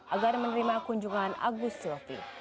agar menerima kunjungan agus silvi